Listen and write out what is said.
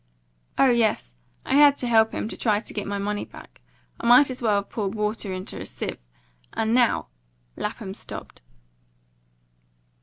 "Oh yes. I had to help him to try to get my money back. I might as well poured water into a sieve. And now " Lapham stopped.